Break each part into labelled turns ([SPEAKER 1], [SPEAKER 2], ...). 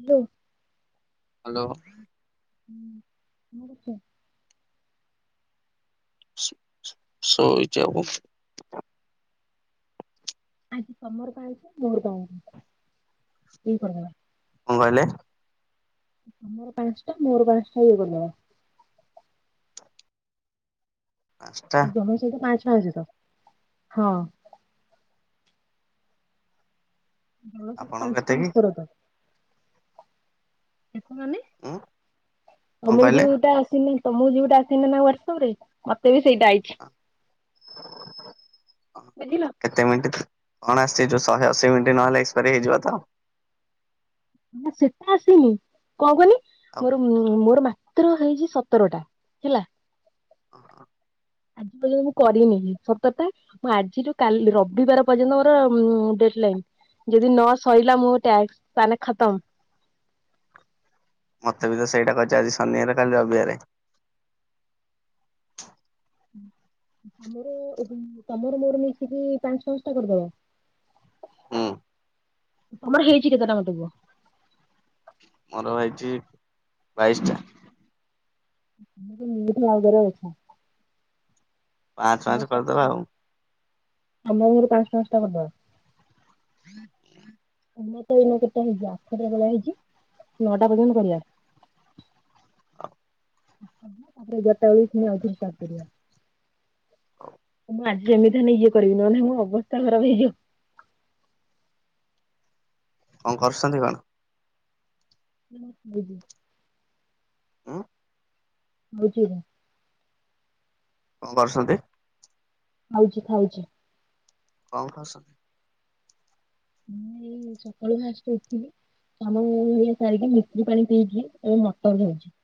[SPEAKER 1] Hello.
[SPEAKER 2] Hello.
[SPEAKER 1] ହୁଁ କଣ କରୁଛ?
[SPEAKER 2] ସୋଇଚି ଆଉ କଣ
[SPEAKER 1] ଆଜି [unintelligible]
[SPEAKER 2] କଣ କହିଲେ?
[SPEAKER 1] ତମର ପାଞ୍ଚଟା ମୋର ପାଞ୍ଚଟା ଇଏ କରିଦବା।
[SPEAKER 2] ପା
[SPEAKER 1] ତମର [unintelligible] ତ ହଁ। ଆମର ସବୁ
[SPEAKER 2] ଆପଣଙ୍କ
[SPEAKER 1] ପାଞ୍ଚ
[SPEAKER 2] କେତେ କି
[SPEAKER 1] ପାଞ୍ଚ ଥରକ। ମାନେ?
[SPEAKER 2] ଉଁ କଣ
[SPEAKER 1] ତମକୁ
[SPEAKER 2] କହିଲେ?
[SPEAKER 1] ଯୋଉଟା ଆସିଲା। ତମକୁ ଯୋଉଟା ଆସିନିନା ହ୍ୱାଟସପ୍ ରେ ମତେ ବି ସେଇଟା ଆଇଚି।
[SPEAKER 2] [inaudible]
[SPEAKER 1] ବୁଝିଲ?
[SPEAKER 2] କେତେ ମିଣ୍ଟି? ଅଣା ଅସି ହେଇଯିବ, ଶହେ ଅଶୀ ମିନିଟ୍ ନହେଲେ ଏକ୍ସପାରୀ ହେଇଯିବ ତ।
[SPEAKER 1] ନା ସେଟା ଆସିନି, କଣ କୁହନି
[SPEAKER 2] ଆଉ
[SPEAKER 1] ମୋର ମୋର ମାତ୍ର ହେଇଛି ସତରଟା ହେଲା।
[SPEAKER 2] ହ।
[SPEAKER 1] ଆଜି ବୋଲେ ମୁଁ କରିନି ସତରଟା। ମୁଁ ଆଜିଠୁ କାଲି ରବିବାର ପର୍ଯ୍ୟନ୍ତ ମୋର ଡେଟ୍ ଲାଇନ୍। ଯଦି ନ ସରିଲା ମୋ ଟାକ୍ସ ତାହେଲେ ଖତମ୍।
[SPEAKER 2] ମତେ ବି ତ ସେଇଟା କରିଚ ଆଜି ସନିବାରେ କାଲି ରବିବାରେ। [unintelligible]
[SPEAKER 1] ଆମର ଏଠି, ତମର ମୋର ମିଶିକି ପାଞ୍ଚ ଛହଶଟା କରିଦବା।
[SPEAKER 2] ହୁଁ।
[SPEAKER 1] ତମର ହେଇଛି କେତେଟା ମତେ କୁହ?
[SPEAKER 2] ମୋର ହେଇଛି ବାଇସ୍ ଟା।
[SPEAKER 1] ତମେ ତ ମୋଠୁ ଆଗରେ ଅଛ।
[SPEAKER 2] ପାଞ୍ଚ ପାଞ୍ଚ
[SPEAKER 1] ମୋର
[SPEAKER 2] କରିଦବା
[SPEAKER 1] ସାତଟା।
[SPEAKER 2] ଆଉ
[SPEAKER 1] ଆମେ ଆମର ପାଞ୍ଚ ପାଞ୍ଚ ଟା କରିଦବା।
[SPEAKER 2] ହୁଁ।
[SPEAKER 1] ତମର ତ ଏଇନା କେତେଟା ହେଇଛି ଆଠଟା ବେଳେ ହେଇଛି ନଅଟା ପର୍ଯ୍ୟନ୍ତ କରିବା। ତାପରେ ଏଗାରଟା ବେଳେ ଆଉ ଥରେ ଷ୍ଟାର୍ଟ କରିବା।
[SPEAKER 2] ହଁ।
[SPEAKER 1] ମୁଁ ଆଜି ଯେମିତି ହେଲେ ଇଏ କରିବି, ନହେଲେ ମୋ ଅବସ୍ଥା ଖରାପ ହେଇଯିବ।
[SPEAKER 2] କଣ କରୁଛନ୍ତି କଣ?
[SPEAKER 1] [unintelligible]
[SPEAKER 2] ହୁଁ।
[SPEAKER 1] ହଉଛି ଏରା।
[SPEAKER 2] କଣ କରୁଛନ୍ତି?
[SPEAKER 1] ଖାଉଚି ଖାଉଚି।
[SPEAKER 2] କଣ ଖାଉଚ?
[SPEAKER 1] ମୁଁ ଏଇ ସକାଳୁ ଫାଷ୍ଟ ଉଠିଲି। ଆମ ଇଏ ସାରିକି ମିଶ୍ରି ପାଣି ପିଇକି ଆଉ ମଟନ ହୋଉଛି।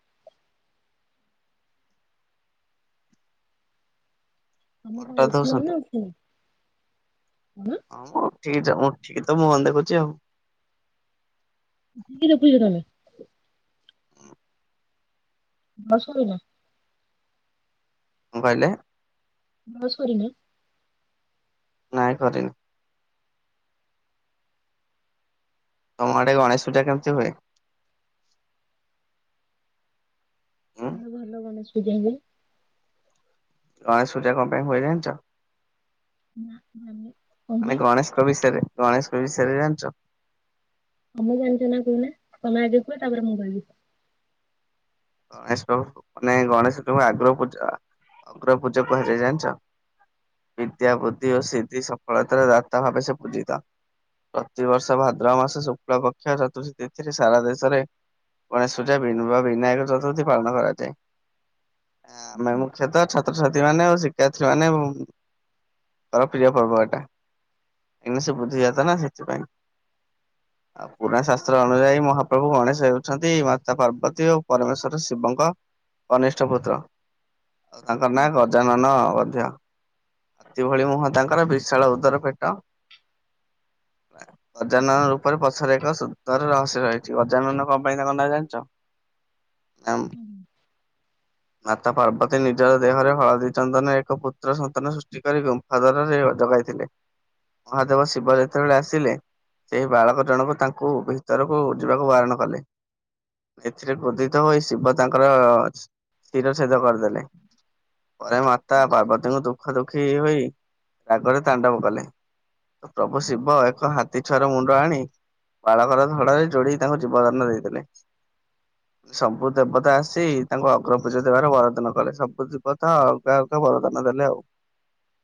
[SPEAKER 1] ତମେ
[SPEAKER 2] ଅଟା
[SPEAKER 1] କଣ ଉଠିଲ
[SPEAKER 2] ଦଉଛନ୍ତି
[SPEAKER 1] ନା ଉଠିନ? କଣ?
[SPEAKER 2] ହଁ ମୁଁ ଉଠିକି ତ-ମୁଁ ଉଠିକ ତ ମୁହଁ ଦେଖୁଚି ଆଉ।
[SPEAKER 1] [unintelligible] ରଖୁଚ ତାହାଲେ।
[SPEAKER 2] କଣ
[SPEAKER 1] ବ୍ରଶ୍ କରିନ?
[SPEAKER 2] କଣ୍ କହିଲେ?
[SPEAKER 1] ବ୍ରଶ୍ କରିନ?
[SPEAKER 2] ନାଇଁ କରିନି। ତମ ଆଡେ ଗଣେଶ ପୂଜା କେମିତି ହୁଏ? ଉଁ
[SPEAKER 1] ହୁଁ ଭଲ ଗଣେଶ ପୂଜା ହୁଏ।
[SPEAKER 2] ଗଣେଶ ପୂଜା କଣ ପାଇଁ ହୁଏ ଜାଣିଚ?
[SPEAKER 1] ନା ଜାଣିନି କହିଲ।
[SPEAKER 2] କଉ ବିଷୟରେ ଗଣେଶଙ୍କ ବିଷୟରେ ଜାଣିଚ?
[SPEAKER 1] ତମେ ଜାଣିଚ ନା କୁହନା ତମେ ଆଗ କୁହ ତାପରେ ମୁଁ କହିବି।
[SPEAKER 2] ଏସବୁ ମାନେ ଗଣେଶ ଦେବ ଆଗ୍ର ପୂଜା- ଅଗ୍ର ପୂଜା କୁହାଯାଏ ଜାଣିଚ? ବିଦ୍ୟା ବୁଦ୍ଧି ଓ ସିଦ୍ଧି ସଫଳତାର ଦାତା ଭାବେ ସେ ପୂଜିତ। ପ୍ରତିବର୍ଷ ଭାଦ୍ରବ ମାସ ଶୁକ୍ଳ ପକ୍ଷ ଚତୁର୍ଥୀ ତିଥିରେ ସାରା ଦେଶରେ ଗଣେଶ ପୂଜା ବା ବିନାୟକ ଚତୁର୍ଥୀ ପାଳନ କରାଯାଏ ଆମେ ମୁଖ୍ୟତଃ ଛ ଛାତ୍ରଛାତ୍ରୀ ମାନେ ଆଉ ଶିକ୍ଷାତ୍ରୀ ମାନେ ବ ତର ପ୍ରିୟ ପର୍ବ ଏଟା କିନ୍ତୁ ସେ ବୁଦ୍ଧିଦାତା ନା ସେଥିପାଇଁ। ଆଉ ପୁରୁଣା ଶାସ୍ତ୍ର ଅନୁଯାୟୀ ମହାପ୍ରଭୁ ଗଣେଶ ହେଉଚନ୍ତି ମାତା ପାର୍ବତୀ ଓ ପରମେଶ୍ଵର ଶିବଙ୍କ କନିଷ୍ଠ ପୁତ୍ର ଆଉ ତାଙ୍କ
[SPEAKER 1] ହୁଁ,
[SPEAKER 2] ନାଁ ଗଜାନନ ମଧ୍ୟ। ସେହିଭଳି ମୁହଁ ତାଙ୍କର ବିଶାଳ ଉଦର ପେଟ ଗଜାନନ ରୂପରେ ପଛରେ ଏକ ସୁନ୍ଦର ରହସ୍ୟ ରହିଚି ଗଜାନନ କଣ ପାଇଁ ତାଙ୍କ ନା ଜାଣିଚ? ଆମ୍
[SPEAKER 1] [unintelligible]
[SPEAKER 2] ମାତା ପାର୍ବତୀ ନିଜର ଦେହରେ ହଳଦୀ, ଚନ୍ଦନ ଏକ ପୁତ୍ର ସନ୍ତାନ ସୃଷ୍ଟି କରି ହରରରେ ଜଗାଇଥିଲେ ମହାଦେବ ଶିବ ଯେତେବେଳେ ଆସିଲେ ସେ ବାଳକ ଜଣକ ତାଙ୍କୁ ଭିତରକୁ ଯିବାକୁ ବାରଣ କଲେ ସେଥିରେ ଗୋଦି କ୍ରୋଧିତ ହୋଇ ଶିବ ତାଙ୍କର ଶିର ଛେଦ କରିଦେଲେ। ପରେ ମାତା
[SPEAKER 1] ଆଚ୍ଛା।
[SPEAKER 2] ପାର୍ବତୀଙ୍କୁ ତୁ ଦୁଃଖ ଦୁଃଖୀ ହୋଇ ରାଗରେ ତାଣ୍ଡବ କଲେ ପ୍ରଭୁ ଶିବ ଏକ ହାତୀ ଛୁଆର ମୁଣ୍ଡ ଆଣି ବାଳକର ଧଡାରେ ଯୋଡି ତାଙ୍କୁ ଜୀବଦାନ ଦେଇଦେଲେ। ସବୁ ଦେବତା ଆସି ତାଙ୍କୁ ଅଗ୍ରପୂଜା ଦେବାରେ ବରଦାନ କଲେ ସବୁ ଦେବତା ଆଉ ତା ଅର୍ଥ ବରଦାନ ଦେଲେ ଆଉ।
[SPEAKER 1] [unintelligible]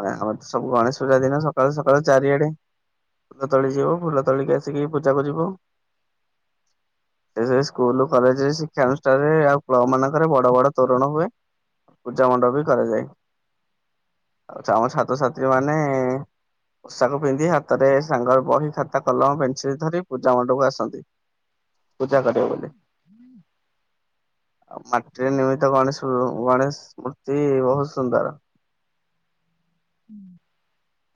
[SPEAKER 2] ଆମର ତ ସବୁ ଗଣେଶ ପୂଜା ଦିନ ସକାଳୁ ସକାଳୁ ଚାରିଆଡେ ଫୁଲ ତୋଳି ଯିବୁ ଫୁଲ ତୋଳିକ ଆସିକି ପୂଜାକୁ ଯିବୁ। ସେଇ ସେ ସ୍କୁଲ କଲେଜେ ଶିକ୍ଷାନୁଷ୍ଠାନରେ ଆଉ କ୍ଲବ୍ ମାନଙ୍କରେ ବଡ ବଡ ତୋରଣ ହୁଏ। ପୂଜା ମଣ୍ଡପ ବି କରାଯାଏ ଆଉ ଆମ ଛାତ୍ରଛାତ୍ରୀ ମାନେ ପୋଷାକ ପିନ୍ଧି ହାତରେ ସାଙ୍ଗ ବହି, ଖାତା, କଲମ, ପେନସିଲ୍ ଧରି ପୂଜା ମଣ୍ଡପକୁ ଆସନ୍ତି। ପୂଜା କରିବ ବୋଲି ଆଉ ମାଟିରେ ନିର୍ମିତ ଗଣେଶ୍ ଗଣେଶ ମୂର୍ତ୍ତି ବହୁତ୍ ସୁନ୍ଦର୍।
[SPEAKER 1] ହୁଁ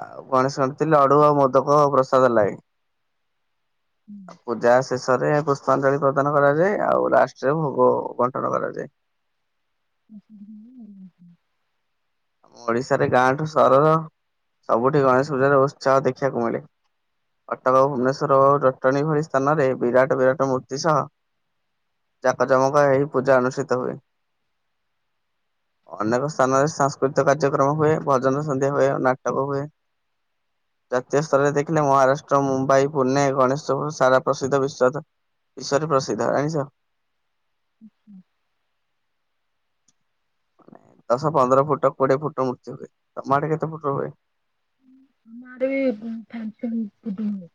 [SPEAKER 2] ଆଉ ଗଣେଶ [unintelligible] ଥିଲେ ଲଡୁ ଆଉ‌ ମୋଦକ ଆଉ ପ୍ରସାଦ
[SPEAKER 1] ହୁଁ,
[SPEAKER 2] ଲାଗେ। ପୂଜା ଶେଷରେ ପୁଷ୍ପାଞ୍ଜଳି ପ୍ରଦାନ କରାଯାଏ ଆଉ ଲାଷ୍ଟ୍ ରେ ଭୋଗ ବଣ୍ଟନ କରାଯାଏ।
[SPEAKER 1] [unintelligible]
[SPEAKER 2] ଆମ ଓଡିଶାରେ ଗାଁଠୁ ସହର ସବୁଠି ଗଣେଶ ପୂଜାର ଉତ୍ସା ଦେଖିବାକୁ ମିଳେ କଟକ ଭୁବନେଶ୍ୱର ହଉ ଅଟଣୀ ଭଳି ସ୍ଥାନରେ ବିରାଟ ବିରାଟ ମୂର୍ତ୍ତି ସହ ଜାକ ଜମକ ହେଇ ପୂଜା ଅନୁଷ୍ଠିତ ହୁଏ। ଅନେକ ସ୍ଥାନରେ ଶା କୃତ କାର୍ଯ୍ୟକ୍ରମ ହୁଏ ଭଜନ ସନ୍ଧ୍ୟା ହୁଏ ନାଟକ ହୁଏ
[SPEAKER 1] [unintelligible]
[SPEAKER 2] ଜାତୀୟ ସ୍ତରରେ ଦେଖିଲେ ମହାରାଷ୍ଟ୍ର ମୁମ୍ବାଇ ପୁନେ ଗଣେଶପୁର ସାରା ପ୍ରସିଦ୍ଧ ବିଶ୍ୱ ଈଶ୍ୱର ପ୍ରସିଦ୍ଧ ଜାଣିଛ
[SPEAKER 1] ହୁଁ ହୁଁ
[SPEAKER 2] ଦଶ ପନ୍ଦର ଫୁଟ କୋଡିଏ ଫୁଟ ମୂତ୍ତି ହୁଏ ତ ମାଡେ କେତେ ଫୁଟ ହୁଏ
[SPEAKER 1] ଆମ ଆଡ଼େ ଫେ ଫେ ଫେ ହୁଏ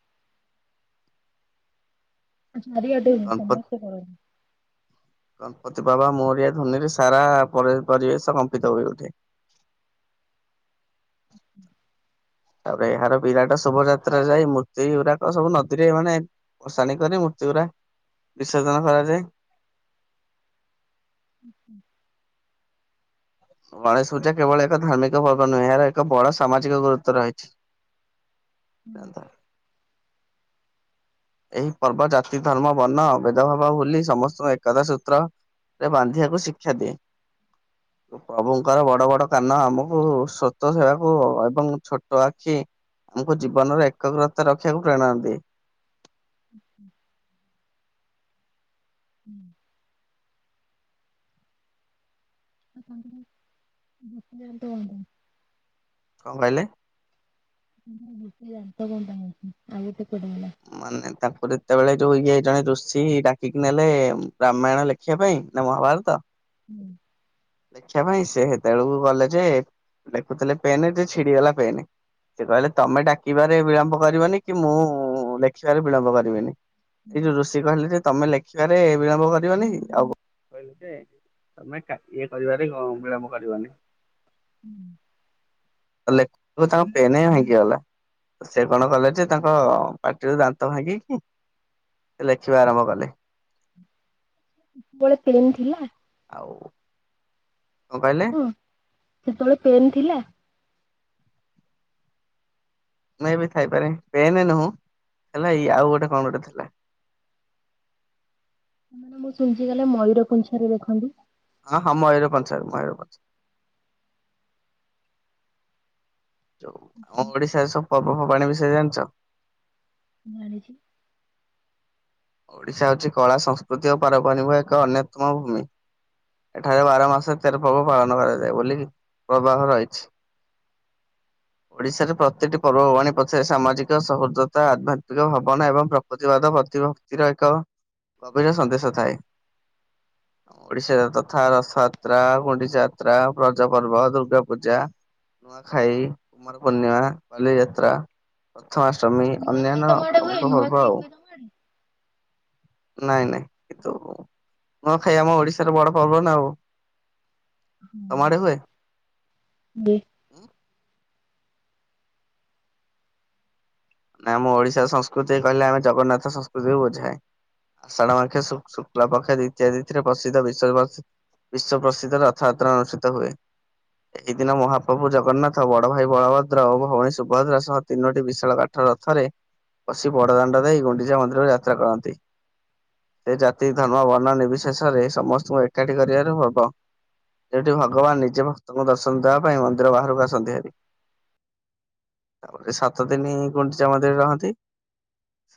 [SPEAKER 1] ରଆଡ
[SPEAKER 2] ଗଣପତି
[SPEAKER 1] ସମସ୍ତ କରନ୍ତି
[SPEAKER 2] ଗଣପତି ବାବା ମୋରିଆ ଧନିରେ ସାରା ପରିବେଶ କମ୍ପିତ ହୋଇ ଉଠେ
[SPEAKER 1] ହୁ୍
[SPEAKER 2] ତାପରେ ଏହାର ବିରାଟ ଶୋଭାଯାତ୍ରା ଯାଇ ମୂର୍ତ୍ତି ଗୁରାକ ସବୁ ନଦୀରେ ମାନେ ଅସାଣି କରି ମୂର୍ତ୍ତି ଗୁରା ବିସର୍ଜନ କରାଯାଏ
[SPEAKER 1] ଆଚ୍ଛା
[SPEAKER 2] ଗଣେଶ ପୂଜା କେବଳ ଏକ ଧାର୍ମିକ ପର୍ବ ନୁହେଁ ଏହାର ଏକ ବଡ ସାମାଜିକ ଗୁରୁତ୍ୱ ରହିଛି
[SPEAKER 1] ହୁଁ,
[SPEAKER 2] ସେତା ଏହି ପର୍ବ ଜାତି ଧର୍ମ ବର୍ଣ୍ଣ ଭେଦ ଭାବ ବୁଲି ସମସ୍ତଙ୍କୁ ଏକତା ସୂତ୍ର ରେ ବାନ୍ଧିବାକୁ ଶିକ୍ଷା ଦିଏ
[SPEAKER 1] [unintelligible]
[SPEAKER 2] ପ୍ରଭୁଙ୍କର ବଡ ବଡ କାନ ଆମକୁ ସ୍ୱତ ସେବାକୁ ଏବଂ ଛୋଟ ଆଖି ଆମକୁ ଜୀବନର ଏକାଗ୍ରତା ରଖିବାକୁ ପ୍ରେରଣାନ୍ତି
[SPEAKER 1] ହୁ ହୁ ହୁଁ [unintelligible]
[SPEAKER 2] କଣ କହିଲେ?
[SPEAKER 1] [unintelligible]
[SPEAKER 2] ମାନେ ତାଙ୍କୁର ଯେତେବେଳେ ଯୋଉ ଇଏ ଜଣେ ରୁଷୀ ଡାକିକି ନେଲେ ର୍ରାମାୟଣ ଲେ ଖିଆ ପାଇଁ ନା ମହାବାର ତ
[SPEAKER 1] ହୁଁ
[SPEAKER 2] ଦେଖିବା ପାଇଁ ସେ ସେତେବେଳକୁ ଗଲେ ଯେ ଦେଖୁଥିଲେ ପେନ୍ ଯେ ଛିଡିଗଲା ପେନ୍ ସେ କହିଲେ ତମେ ଡାକିବାରେ ବିଳମ୍ବ କରିବନି କି ମୁଁ ଲେଖିବାରେ ବିଳମ୍ବ କରିବିନି।
[SPEAKER 1] ହୁଁ।
[SPEAKER 2] ଋଷି କହିଲେ ଯେ ତମେ ଲେଖିବାରେ ବିଳମ୍ବ କରିବନି ଆଉ କହିଲ ଇଏ କରିବାରେ ବିଳମ୍ବ କରିବନି
[SPEAKER 1] ହୁଁ
[SPEAKER 2] ଲେଖ ତାଙ୍କ ପେନ ଭାଇଁକି ଗଲା ସେ କଣ କଲେ ଯେ ତାଙ୍କ ପାଟିରୁ ଦାନ୍ତ ଭାଙ୍ଗିକି ଲେଖିବା ଆରମ୍ଭ କଲେ
[SPEAKER 1] ଜଣେ [unintelligible] ଥିଲା
[SPEAKER 2] ଆଉ କଣ କହିଲେ
[SPEAKER 1] ମଁ ସେତୋଳେ ପେନ୍ ଥିଲା?
[SPEAKER 2] ନାଇଁ ବେ ଥାଇପାରେ ପେନ୍ ନୁହଁ ହେଲା ଇ ଆଉ ଗୋଟେ କଣ ଗୋଟେ ଥିଲା।
[SPEAKER 1] ମାନେ ମୁଁ ଶୁଣିଚି କାଲେ ମୟୂର ପୁଁଚ୍ଛରେ ଦେଖନ୍ତି।
[SPEAKER 2] ହଁ ହଁ ମୟୂର ପୁଁଚ୍ଛରେ ମୟୂର ପୁଁଚ୍ଛ। ଯଉ ଆମ ଓଡ଼ିଶାରେ ସବୁ ପର୍ବପର୍ବାଣି ବିଷୟରେ ଜାଣିଚ?
[SPEAKER 1] ଜାଣିଛି।
[SPEAKER 2] ଓଡ଼ିଶା ହଉଛି କଳା ସଂସ୍କୃତି ଓ ପାର ପାରିମ ଏକ ଅନ୍ୟତମ ଭୂମି। ଏଠାରେ ବାର ମାସ ତେର ପର୍ବ ପାଳନ କରାଯାଏ ବୋଲି ପ୍ରବାହ ରହିଛି। ଓଡ଼ିଶାରେ ପ୍ରତ୍ୟେକଟି ପର୍ବପର୍ବାଣୀ ପଛରେ ସାମାଜିକ ସହୃଦ୍ଦ୍ରତା ଆଧ୍ୟାତ୍ମିକ ଭବନା ଏବଂ ପ୍ର ପ୍ରତିବାଦ ପ୍ରତିଭକ୍ତିର ଏକ ଗଭୀର ସନ୍ଦେଶ ଥାଏ। ଓଡ଼ିଶାର ତଥା ରଥଯାତ୍ରା, ଗୁଣ୍ଡିଜା ଯାତ୍ରା, ରଜ ପର୍ବ, ଦୁର୍ଗା ପୂଜା ନୂଆଖାଇ, କୁମାର ପୂର୍ଣ୍ଣିମା, ବାଲିଯାତ୍ରା ପ୍ରଥମାଷ୍ଟମୀ
[SPEAKER 1] ନୂଆଖାଇ
[SPEAKER 2] ଅନ୍ୟାନ୍ୟ
[SPEAKER 1] ତମ ଆଡେ ହୁଏ
[SPEAKER 2] ପ୍ରମୁଖ ପର୍ବ
[SPEAKER 1] ନୂଆଖାଇ
[SPEAKER 2] ଆଉ।
[SPEAKER 1] ହୁଏ ତମ ଆଡେ?
[SPEAKER 2] ନାଇଁ ନାଇଁ କିନ୍ତୁ ନୂଆଖାଇ ଆମ ଓଡ଼ିଶାର ବଡ଼ ପର୍ବ ନା ଆଉ। ତମ ଆଡେ ହୁଏ?
[SPEAKER 1] ଡେ
[SPEAKER 2] ନାଁ ଆମ ଓଡ଼ିଶା ସଂସ୍କୃତି କହିଲେ ଆମେ ଜଗନ୍ନାଥ ସଂସ୍କୃତି ବୁଝାଏ। ଆଷାଢ଼ ମାର୍ଖେ ଶୁ ଶୁକ୍ଲପକ୍ଷେ ଦ୍ୱିତୀୟା ତିଥିରେ ପସିଦ୍ଧ ବିଶ୍ୱବସ୍ ବିଶ୍ଵ ପ୍ରସିଦ୍ଧ ରଥଯାତ୍ରା ଅନୁଷ୍ଠିତ ହୁଏ। ଏହି ଦିନ ମହାପ୍ରଭୁ ଜଗନ୍ନାଥ ବଡ଼ ଭାଇ ବଳଭଦ୍ର ଓ ଭଉଣୀ ସୁଭଦ୍ରା ସହ ତିନୋଟି ବିଶାଳ କା ଠ ରଥରେ ବସି ବଡ଼ ଦାଣ୍ଡ ଦେଇ ଗୁଣ୍ଡିଚା ମନ୍ଦିରକୁ ଯାତ୍ରା କରନ୍ତି। ଏ ଜାତି ଧର୍ମ ବର୍ଣ୍ଣ ନିବ୍ରିଶେଷରେ ସମସ୍ତଙ୍କୁ ଏକାଠି କରିବାର ପର୍ବ। ଯୋଉଠି ଭଗବାନ ନିଜେ ଭକ୍ତଙ୍କୁ ଦର୍ଶନ ଦେବା ପାଇଁ ମନ୍ଦିର ବାହାରକୁ ଆସନ୍ତି ଭାରି। ଆ ପରେ ସାତ ଦିନି ଗୁଣ୍ଡିଚା ମନ୍ଦିରରେ ରହନ୍ତି।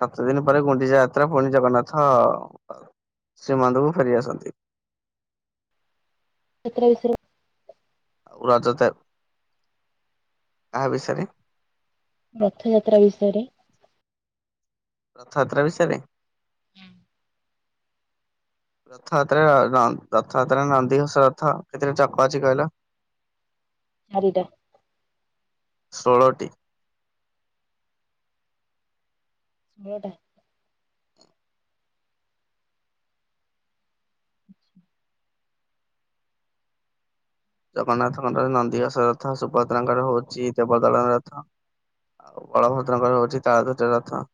[SPEAKER 2] ସାତ ଦିନି ପରେ ଗୁଣ୍ଡିଚା ଯାତ୍ରା ପୁଣି ଜଗନ୍ନାଥ ଶୀମନ୍ଦକୁ ଫେରି ଆସନ୍ତି।
[SPEAKER 1] ଏତ୍ରେ ବିସେରୁ
[SPEAKER 2] ଆଉ ରାଜା ତେ କାହା ବିଷୟରେ?
[SPEAKER 1] ବେଥଯାତ୍ରା ବିଷୟରେ।
[SPEAKER 2] ରଥଯାତ୍ରା ବିଷୟରେ?
[SPEAKER 1] ହୁଁ।
[SPEAKER 2] ରଥଯାତ୍ରାରେ ର ର ରଥଯାତ୍ରାରେ ନନ୍ଦିଘୋଷ ରଥ କେତେଟା ଚକ ଅଛି କହିଲ?
[SPEAKER 1] ହାରିଟା।
[SPEAKER 2] ଷୋଳଟି।
[SPEAKER 1] ହୋଟା।
[SPEAKER 2] ଜଗନ୍ନାଥଙ୍କମଳର ନନ୍ଦୀ ଘୋଷ ରଥ ସୁଭଦ୍ରାଙ୍କର ହଉଚି ଦେବଦଳନ ରଥ। ଆଉ ବଳଭଦ୍ରଙ୍କର ହଉଚି ତାଳଧ୍ୱଜ ରଥ।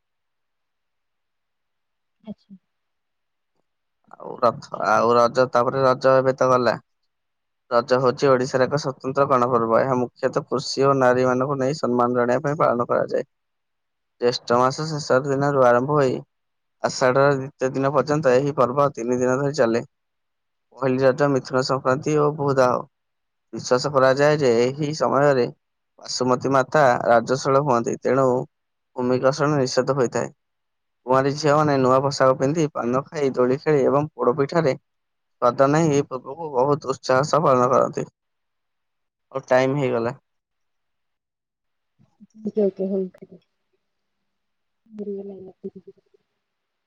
[SPEAKER 1] ଆଚ୍ଛା।
[SPEAKER 2] ଆଉ ରଥ ଆଉ ରଜ ତାପରେ ରଜ ଏବେ ତ ଗଲା। ରଜ ହଉଚି ଓଡ଼ିଶାର ଏକ ସତନ୍ତ୍ର ଗଣପର୍ବ। ଏହା ମୁଖ୍ୟତଃ କୃଷି ଓ ନାରୀ ମାନଙ୍କୁ ନେଇ ସମ୍ମାନ ଜଣିଇବା ପାଇଁ ପାଳନ କରାଯାଏ। ଜ୍ୟେଷ୍ଠ ମାସ ଶେଷ ଦିନରୁ ଆରମ୍ଭ ହୋଇ ଆଷାଢ଼ର ଦ୍ଵିତୀୟ ଦିନ ପର୍ଯ୍ୟନ୍ତ ଏହି ପର୍ବ ତିନି ଦିନ ଧରି ଚାଲେ ପହିଲି ରଜ ମିଥୁନ ସଂକ୍ରାନ୍ତି ଓ ଭୂଧାହ। ବିଶ୍ୱାସ କରାଯାଏ ଯେ ଏହି ସମୟରେ ବାସୁମତୀ ମାତା ରାଜଶୀଳ ହୁଅନ୍ତି ତେଣୁ ଭୂମିକର୍ଷଣ ନିଷେଧ ହୋଇଥାଏ। କୁଆଁରୀ ଝିଅମାନେ ନୂଆ ପୋଷାକ ପିନ୍ଧି ପାନ ଖାଇ ଦୋଳି ଖେଳି ଏବଂ ପୋଡପିଠାରେ ଶ୍ରଦ୍ଧା ନାଁ ଏ ପୂର୍ବକୁ ବହୁତ ଉତ୍ସାହସହ ପାଳନ କରନ୍ତି। ମୋ ଟାଇମ ହେଇଗଲା।
[SPEAKER 1] [unintelligible] ବଢ଼ିଆ ଲାଗିଲା [unintelligible]